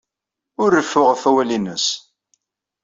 Ur reffu ɣef wawal-nnes.